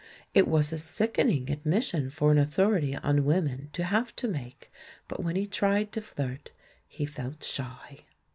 It was a sickening admission for an authority on women to have to make, but when he tried to flirt he felt shy.